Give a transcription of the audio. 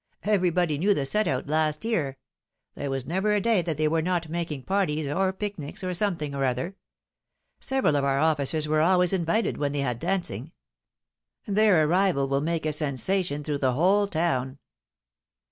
Everybody knew the set out last year ; there was never a day that they were not making parties or pic nics, or something or other. Several of our officers were always invited when they had dancing. Their arrival will make a sensation through the whole town."